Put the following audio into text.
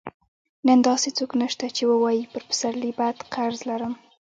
نن داسې څوک نشته چې ووايي پر پسرلي بد قرض لرم.